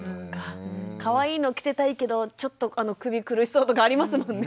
かわいいの着せたいけどちょっと首苦しそうとかありますもんね。